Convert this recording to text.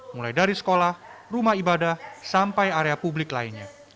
mulai dari sekolah rumah ibadah sampai area publik lainnya